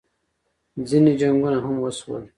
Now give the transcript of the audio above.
ځینې جنګونه هم وشول